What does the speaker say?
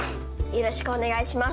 よろしくお願いします。